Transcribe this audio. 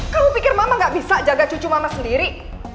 kamu pikir mama gak bisa jaga cucu mama sendiri